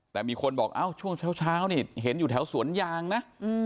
แต่มีคนบอกเอ้าช่วงเช้านี่เห็นอยู่แถวสวนยางนะ